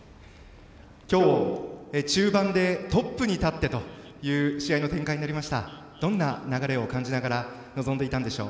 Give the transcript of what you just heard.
今日、中盤でトップに立ってという試合の展開になりましたがどんな流れを感じながら臨みましたか。